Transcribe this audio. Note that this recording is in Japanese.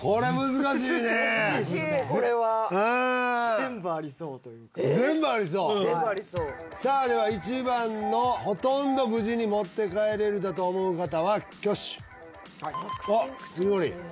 難しいこれは全部ありそうというか全部ありそう全部ありそうさあでは１番のほとんど無事に持って帰れるだと思う方は挙手はいあっ藤森